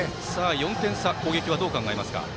４点差攻撃はどう考えますか。